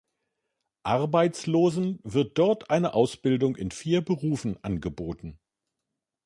Arbeitslosen wird dort eine Ausbildung in vier Berufen angeboten.